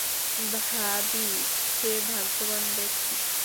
ভাবি, সে ভাগ্যবান ব্যক্তি।